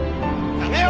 やめよ！